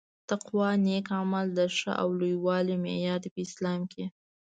تقوا نيک عمل د ښه او لووالي معیار دي په اسلام کي